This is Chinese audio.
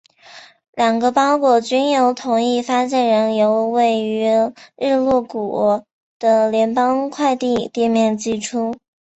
两个包裹均由同一发件人从位于日落谷的联邦快递店面寄出。